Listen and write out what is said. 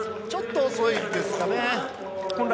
ちょっと遅いですね。